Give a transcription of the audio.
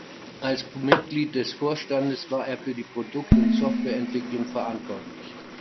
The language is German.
Als Mitglied des Vorstandes war er für die Produkt- und Softwareentwicklung verantwortlich.